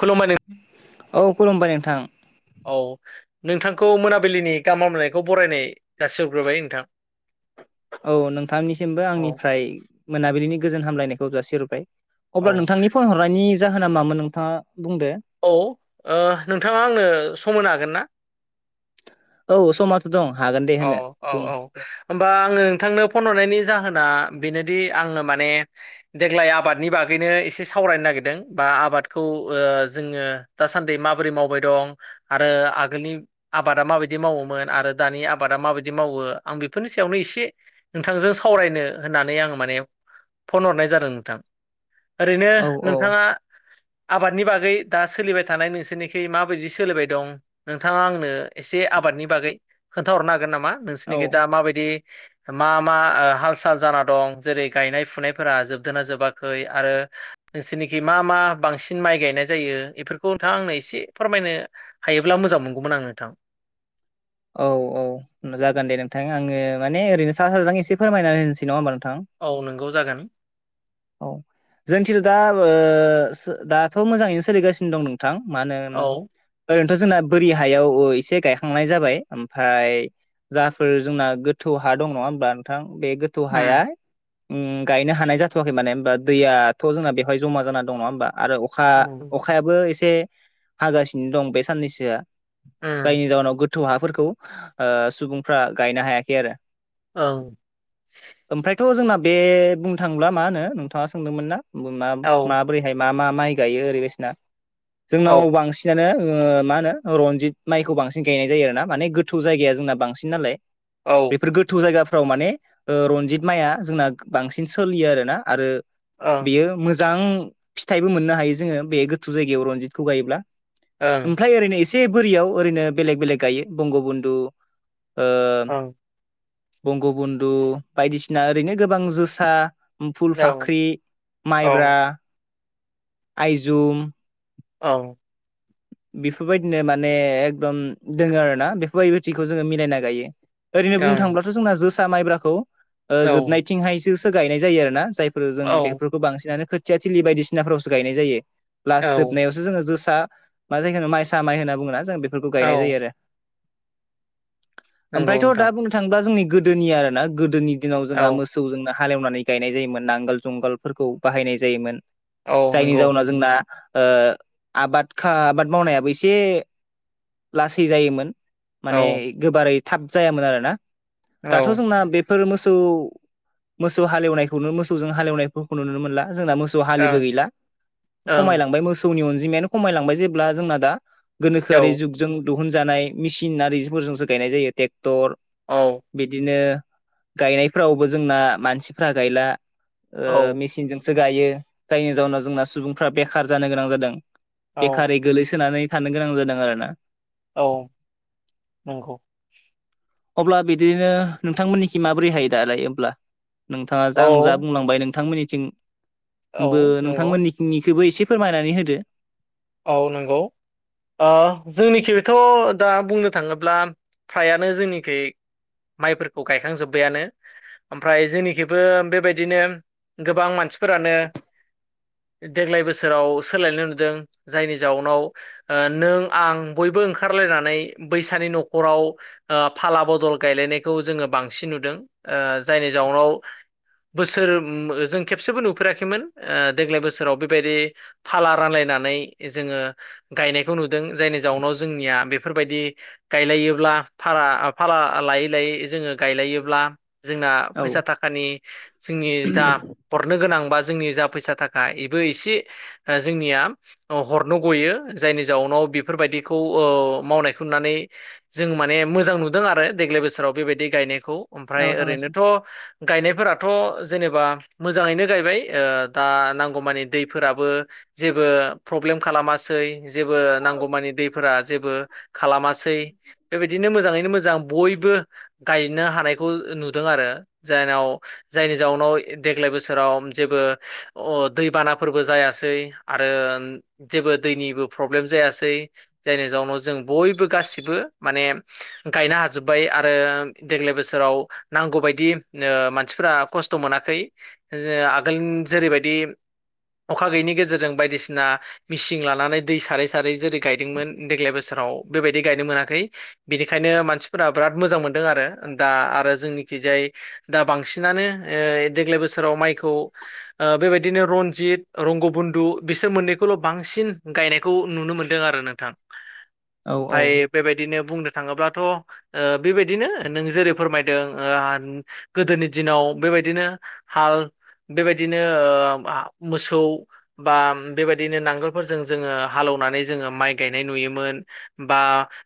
खुलुमबाय औ खुलुमबाय नोंथां। औ नोंथांखौ मोनाबिलिनि गाहाम हामलानायखौ बरायनाय जासि हरग्रोबाय नोंथां। औ नोंथांनिसिमबो औ आंनिफ्राय मोनाबिलिनि गोजोन हामलायनायखौ जासिहरबाय। औ अब्ला नोंथांनि फन हरनायनि जाहोना मामोन नोंथाङा बुंदो। औ ओ नोंथाङा आंनो सम होनो हागोन ना? औ समाथ' दं हागोन दे औ होनो औ बुं। औ होमबा आङो नोंथांनो फन हरनायनि जाहोना बेनोदि आङो माने देग्लाय आबादनि बागैनो एसे सावरायनो नागिरदों बा आबादखौ ओ जोङो दासान्दि माबोरै मावबाय दं आरो आगोलनि आबादा माबायदि मावोमोन आरो दानि आबादा माबायदि मावो आं बेफोरनि सायावनो एसे नोंथांजों सावरायनो होननानै आं माने फन हरनाय जादों नोंथां ओरैनो औ औ नोंथाङा आबादनि बागै दा सोलिबाय थानाय नोंसोरनिखि माबायदि सोलिबाय दं नोंथाङा आंनो एसे आबादनि बागै खोन्थाहरनो हागोन नामा औ नोंसोरनिखि दा माबायदि मा मा ओ हाल साल जाना दं जेरै गायनाय फुनायफोरा जोबदोना जोबाखै आरो नोंसोरनिखि मा मा बांसिन माइ गायनाय जायो बेफोरखौ नोंथाङा आंनो एसे फोरमायनो हायोब्ला मोजां मोनगौमोन आं नोंथां। औ औ जागोन दे नोंथां आङो माने ओरैनो सा साजों एसे फोरमायना होनोसै नङा होमबा नोंथां। औ नोंगौ जागोन। औ जोंथिं दा ओ दाथ' मोजाङैनो सोलिगासिनो दं नों थां मा होनो औ ओरैनोथ' जोंना बोरि हायाव एसे गायखांनाय जाबाय ओमफ्राय जाफोर जोंना गोथौ हा दं नङा होनबा नोंथां बे थौ हाया उम [unintelligible] गायनो हानाय थ'वाखै माने होनबा दैयाथ' जोंना बेहाय जमा जाना दङ नङा होमबा आरो अखा अखा खायाबो एसे हागासिनो दं बे साननैसोआ उम जायनि जाउनाव थ' हाफोरखौ ओ सुबुंफ्रा गायनो हायाखै आरो। ओं। ओमफ्रायथ' जोंना बे बुंनो थाङोब्ला मा होनो नोंथाङा सोंदोंमोन ना मा औ मा बोरैहाय मा मा माइ गायो ओरै बायदिसिना औ जोंनाव बांसिन बियानो ओ मा होनो रनजित माइखौ बांसिन गायनाय जायो आरो ना माने गोथौ जायगाया जोंना बांसिन नालाय। औ। फोर गोथौ जायगाफ्राव माने ओ रनजित माइआ जोंना बांसिन सोलियो आरोना आरो बेयो मोजां फिथाइबो मोननो हायो जोङो बे गोथौ जायगायाव रनजितखौ गायोब्ला। ओं ओमफ्राय ओरैनो एसे बोरियाव ओरैनो बेलेग बेलेग गायो बंग बन्दु ओ ओं बंगबन्धु बायदिसिना ओरैनो गोबां जोसा। फुल फाख्रि, औ माइब्रा, आइजुम, औ। बेफोरबायदिनो माने एकदम दोङो आरो ना बेफोरबायदिखौ जोङो मिलायना गायो। ओरैनो बुंनो थांब्लाथ' जोंना जोसा माइब्राखौ औ जोबनायथिंहायसो गायनाय जायो आरोना। जाय फोर जों औ बेफोरखौ बांसिनानो खोथिया थिलि बायदिसिनाफोरावसो गायनाय जायो। लास औ जोबनायावसो जोङो जोसा बा जायखौ माइसा माइ होनना बुङोना जों बे गायनाय औ जायो आरो। नंगौ ओमफ्रायथ' दा नोंथां बुं नों थांबा जोंनि गोदोनि आरो ना गोदोनि दिनाव औ जोंहा मोसौ जोंनो हालेवनानै गायनाय जायोमोन नांगोल जुंगालफोरखौ बाहायनाय जायोमोन। औ जायनि नंगौ जाउनाव जोंना आबाद आबाद मावनायाबो एसे लासै जायोमोन। औ माने गोबारै थाब जायामोन आरोना। औ दाथ' जोंना बेफोर मोसौ मोसौ हालेवनायखौनो मोसौजों हालेवनायफोरखौ नुनो मोनला जोंना मोसौ हालिबो ओं गैला ओं खमायलांबाय मोसौनि अनजिमायानो खमायलांबाय जेब्ला जोंना दा औ गोनोखोआरि जुगजों दिहुनजानाय मेसिन आरारिफोरजोंसो गायनाय जायो, ट्रेक्टर औ। बिदिनो गायनायफ्रावबो जोंना मानसिफ्रा गायला मेसिनजों सो गायो। जायनि जाउनाव जोंना सुबुंफ्रा बेखार जानो गोनां जादों। औ बेखारै गोलैसोनानै थानो गोनां जादों आरोना। औ नंगौ। अब्ला बिदिनो नोंथांमोननिखि माबोरै हायो दालाय होमब्ला। नोंथाङा औ आं जा बुंलांबाय औ नोंथांमोननिथिंबो नंगौ नोंथांमोननि निखौबो एसे फोरमायनानै होदो। औ नंगौ। जोंनिखिथ' दा बुंनो थाङोब्ला फ्रायानो जोंनिखै माइफोरखौ गायखांजोब्बायानो। ओमफ्राय जोंनिखिबो बे बायदिनो गोबां मानसिफोरानो देग्लाय बोसोराव सोलायनाय नुदों। जायनि जाउनाव नों आं बयबो ओंखारलायनानै बैसानि न'खराव फाला बदल गायलायनायखौ जोङो बांसिन नुदों। जायनि जाउनाव बोसोर जों खेबसेबो नुफेराखैमोन देग्लाय बोसोराव बे बायदि फाला रानलायनानै जोङो गायनायखौ नुदों। जायनि जाउनाव जोंनिया बेफोरबायदि गायलायोब्ला भारा भारा लायै लायै जोङो गायलायोब्ला जोंना औ फैसा थाखानि जोंनि जा हरनो गोनां बा जोंनि जा फैसा थाखा बेबो एसे जोंनिया हरनो गयो। जायनि जाउनाव बेफोरबायदिखौ मावनायखौ नुनानै जों माने मोजां नुदों आरो देग्लाय बोसोराव बे बायदि गायनायखौ ओमफ्राय औ थांगासिनो ओरैनोथ' गायनायफोराथ' जेनेबा मोजाङैनो गायबाय दा नांगौमानि दैफोराबो जेबो प्रब्लेम खालामासै जेबो नांगौमानि दैफोरा जेबो खालामासै बे बायदिनो मोजाङैनो मोजां बयबो गायनो हानायखौ नुदों आरो जायनाव जायनि जाउनाव देग्लाय बोसोराव जेबो दैबानाफोरबो जायासै आरो जेबो दैनिबो प्रब्लेम जायासै जायनि जाउनाव जों बयबो गासिबो माने गायनो हाजोब्बाय आरो देग्लाय बोसोराव। नांगौबायदि ओ मानसिफोरा खस्थ' मोनाखै जा आगोल जेरैबायदि अखा गैयैनि गेजेरजों बायदिसिना मेचिन लानानै दै सारै सारै जेरै गायदोंमोन देग्लाय बोसोराव बेबायदि गायनो मोनाखै बिनिखायनो मानसिफोरा बिराद मोजां मोनदों आरो दा आरो जोंनिखि जाय दा बांसिनानो ओ देग्लाय बोसोराव माइखौ बे बायदिनो रनजित, रंगबन्धु बिसोर मोननैखौ स्कुलाव बांसिन गायनायखौ नुनो मोनदों आरो नोंथां। औ औ ओमफाय बे बायदिनो बुंनो थाङोब्लाथ' बे बायदिनो नों जेरै फोरमायदों गोदोनि दिनाव बे बायदिनो हाल बे बायदिनो मोसौ बा बेबायदिनो नांगोलफोरजों जोङो हालौनानै जोङो माइ गायनाय नुयोमोन बा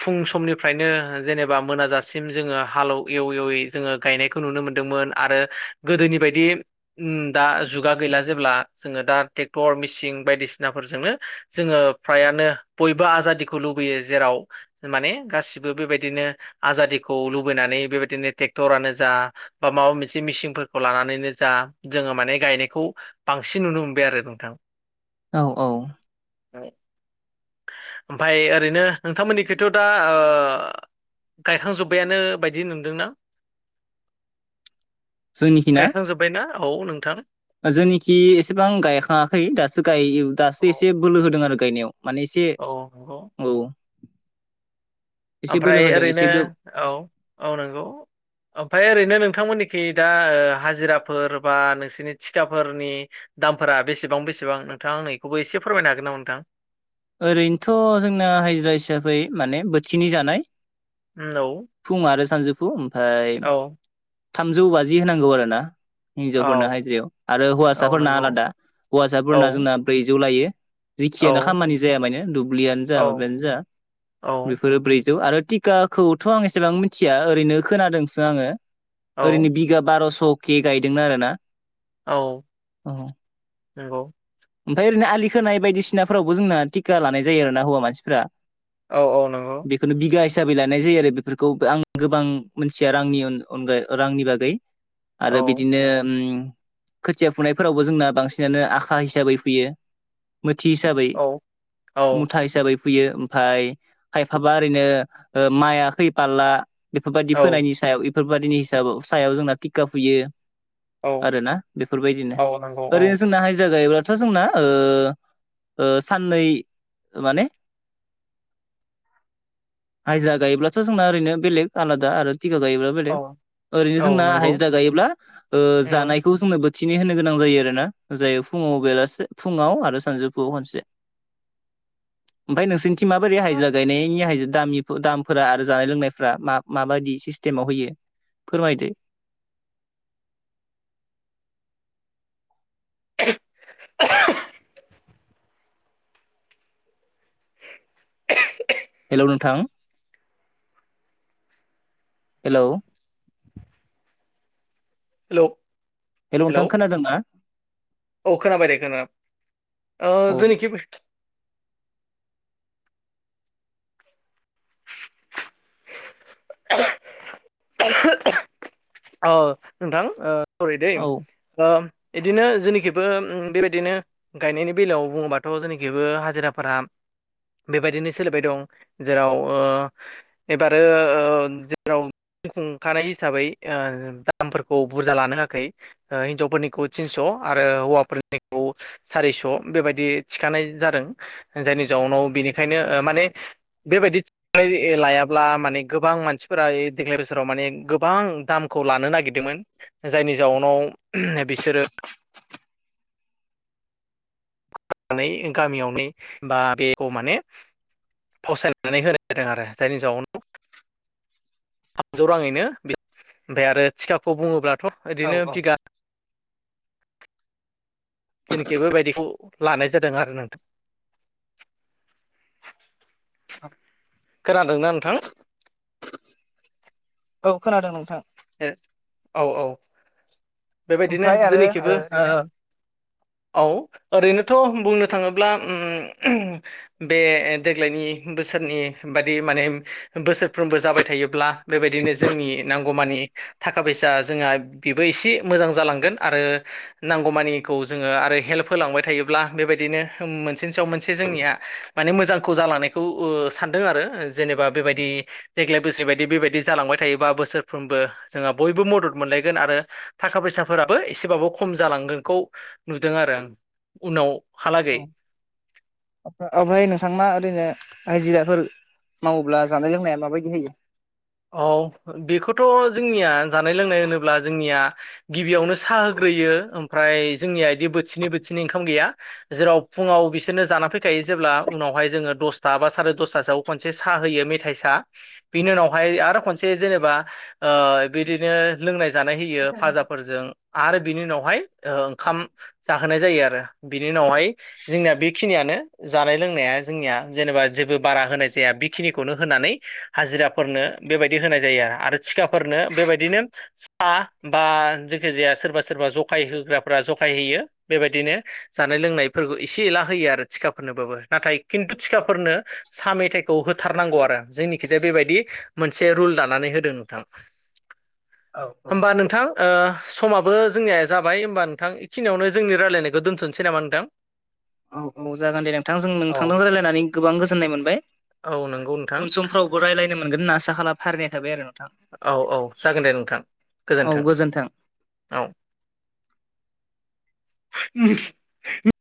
फुं समनिफ्रायनो जेनेबा मोनाजासिम जोङो हाले एव एवै जोङो गायनाय खौ नुनो मोनदोंमोन आरो गोदोनि बायदि उम दा जुगा गैला जेब्ला जोङो दा ट्रेक्टर मेसिन बायदिसिनाफोरजोंनो जोङो फ्रायानो बयबो आजादिखौ लुबैयो जेराव माने गासिबो बेबायदिनो आजादिखौ लुबैनानै बेबायदिनो ट्रेक्टरानो जा बा माबा मोनसे मिसिनफोरखौ लानानैनो जा जोङो माने गायनायखौ बांसिन नुनो मोनबाय आरो नोंथां। औ औ ओमफ्राय ओरैनो नोंथां मोननिखैथ' दा ओ गायखांजोब्बायानो बायदि नुदोंना जोंनिखि ना गायखांजोब्बायनाा औ नोंथां। जोंनिखि एसेबां गायखाङाखै दासो गाय दासो एसे बोलो होदों आरो गायनायाव माने एसे औ नंगौ औ। एसे बोलो ओमफ्राय होदों ओरैनो एसे गो औ औ नंगौ। ओमफ्राय ओरैनो नोंथांमोननिखि दा हाजिराफोर बा नोंसोरनि थिखााफोरनि दामफोरा बेसेबां बेसेबां नोंथां आं नैखौबो एसे फोरमायनो हागोन नामा नोंथां। ओरैनोथ' जोंना हाजिरा हिसाबै माने बोथिनै जानाय उम औ फुं आरो सानजौफु ओमफाय थामजौ बाजि होनांगौ आरो ना। औ हिन्जावफोरनो हायजिरायाव आरो औ हौवासाफोरना नंगौ आलादा औ हौवासाफोरना जोंना ब्रैजौ लायो। जिखियानो औ खामानि जाया मान दुब्लियानो जा औ माबायानो जा औ बेफोर बे ब्रैजौ आरो टिकाखौथ' आं एसेबां मिथिया ओरैनो खोनादोंसो आङो ओरैनो औ बिगा बार'स' केे गायदों आरोना। औ नंगौ। ओमफ्राय ओरैनो आलि खोनाय बायदिसिनाफोरावबो जोंना टिका लानाय जायो आर ना हौवा मानसिफ्रा। औ औ नोंगौ। बेखौनो बिगा हिसाबै लानाय जायो आरो बेफोरखौ आं गोबां मोनथिया रांनि अनगायै रांनि बागै‌ औ आरो बिदिनो ओम खोथिया फुनायफोरावबो जोंना बांसिनानो आखा हिसाबै फैयो मोथि हिसाबै औ मुथा हिसाबै फैयो ओमफाय खायफाबा ओरैनो ओ माइाखै फालला बेफोरबायदि औ फोनायनि सायाव बेफोरबायादिनि हिसाब सायाव जोंना टिका फैयो औ आरोना बेफोरबायदिनो औ नंगौ औ ओरैनो जोंना हायजा गायब्ला थ जोंना ओ ओ सानै ओ माने हाजिरा गायोब्लाथ' जोंना ओरैनो बेलेग आलादा आरो टिखा गायोब्लाबो औ बेलेख ओैरैनो औ जोंना नंगौ हिजिरा गायोब्ला ओ हेलौ जानायखौ जोंनो बो थिनै होनो गोनां जायो आरो ना जायो फुङाव बेलासे फुङाव आरो सानजौफुआव खनसे ओमफ्राय नोंसनिथिं माबोरै हाजिरा गायनायनि हाजिदाम दामफोरा आरो जानाय लोंनायफ्रा मा माबायदि सिस्टेमाव होयो फोरमायदो हेलौ नोंथां [inaudible] हेलौ हेलौ हेलौ नोंथां खोनादों ना? औ खोनाबाय दे खोना ओ औ जोंनिखि ब [unintelligible] ओ नोंथां ओ सरि दैे औ ओम एदिनो जेनिखिबो ओम बेबायदिनो गायनायनि बेलायाव बुंङोबाथ' जेनखिबो हाजिराफोरा बेबायदिनो सोलिबाय दं जेराव ओ एबारो ओ जेराव खुंखानाय हिसाबै ओ दामफोरखौ बुरजा लानो होयाखै ओ हिनजावफोरनिखौ थिनस' आरो हौवाफोरनिखौ सारिस' बेबायदि थिखानाय जादों जायनि जाउनाव बेनिखायनो ओ माने बेबायदि [unintelligible] लायाब्ला माने गोबां मानसिफोरा ए देग्लाय बोसोराव माने गोबां दामखौ लानो नागिरदोंमोन जायनि जाउनाव [unintelligible] बिसोरो [unintelligible] गामियावने बा बेख' माने फावसायनानै होनाय जादों आरो जायनि जाउनायावनो थामजौ राङैनो [unintelligible] ओमफाय आरो थिखाखौ बुङोब्लाथ' औ ओरैनो औ बिगा जेनाखि बोबायदिखु लानाय जादों आरो ना नोंथां [inaudible] खोनादोंना नोंथां? औ खोनादों नोंथां ए औ औ बेबायदिनो ओमफ्राय आरो जोंनिखिबो ओ ओ औ ओरैनोथ' बुंनो थाङोब्ला ओम [unintelligible] बे देग्लायनि बोसोरनि बादि माने बोसोरफ्रोमबो जाबाय थायोब्ला बेबायदिनो जोंनि नांगौमानि थाखा फैसा जोंहा बेबो इसि मोजां जालांगोन आरो नांगौमानिखौ जोङो आरो हेल्प होलांबाय थायोब्ला बेबायदिनो मोनसेनि सायाव मोनसे जोंनिया माने मोजांखौ जालानायखौ ओ सानदों आरो जेनेबा बेबायदि देग्लाय बोसि बायदि बेबायदि जालांबाय थायोबा बोसोरफ्रोमबो जोंहा बयबो मदद मोनलायगोन आरो थाखा फैसाफोराबो एसेबाबो खम जालांगोनखौ नुदों आरो आं उनावहालागै [inaudible] ओमफाय नोंथां मा ओरैनो आायजिराफोर मावोब्ला जानाय लोंनाया माबायदि होयो औ बेखौथ' जोंनिया जानाय लोंनाय होनोब्ला जोंनिया गिबियावनो साहा होग्रोयो ओमफ्राय जोंनिया बिदि बोथिनै बोथिनै ओंखाम गैया जेराव फुङाव बिसोरनो जाना फैखायो जेब्ला उनावहाय जोङो दसथा बा साराय दसथासोआव खनसे साह होयो मेथाइ साह बिनि उनाव ओमफाय आरो खनसे जेनेबा ओ बिदिनो लोंनाय जानाय होयो फाजाफोरजों आरो बिनि उनावहाय औ ओंखाम जाहोनाय जायो आरो बिनि उनावहाय जोंनिया बेखिनियानो जानाय लोंनाया जोंनिया जेनेबा जेबो बारा होनाय जाया बेखिनिखौनो होनानै हाजिरा फोरनो बेबायदि होनाय जायो आरो आरो थिखाफोरनो बेबायदिनो स हा बा जेखि जाया सोरबा सोरबा जगाय होग्राफ्रा जगाय होयो बेबायदिनो जानाय लोंनायफोरखौ इसे एला होयो आरो थिखाफोरनोबाबो नाथाय खिन्थु थिखाफोरनो सा मेथाइखौ होथारनांगौ आरो जोंनि खिजाय बेबायदि मोनसे रुल दानानै होदों नोंथां [inaudible] औ होमबा नोंथां ओ समाबो जोंनिया जाबाय होमबा नोंथां इखिनियावनो जोंनि रायलायनायखौ दोनथ'नसै नामा नोंथां औ औ जागोन दे नोंथांजों औ नोंथांजों रायलायनानै गोबां गोजोननाय मोनबाय औ नंगौ नोंथां उन समफ्राव अ रायलायनो मोनगोन ना आसा खालाम फारिनाय थाबाय आरो न औ औ जागोन दे नोंथां गोजोन्थों। औ [unintelligible]